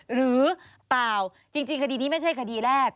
หรือเปล่าจริงคดีนี้ไม่ใช่คดีแรก